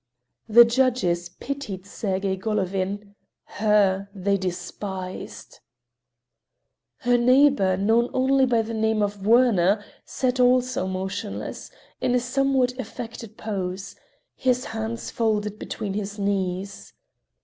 The judges pitied Sergey Golovin; her they despised. Her neighbor, known only by the name of Werner, sat also motionless, in a somewhat affected pose, his hands folded between his knees.